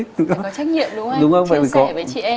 có trách nhiệm đúng không anh chia sẻ với chị em